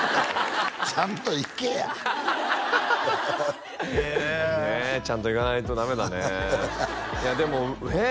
ちゃんと行けやねえちゃんと行かないとダメだねいやでもえっ？